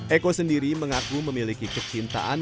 eko sendiri mengaku memiliki kecintaan